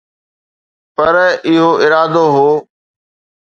پر اهو ارادو هو.